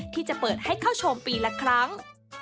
ที่จะเปิดให้เข้าชมปีละครั้ง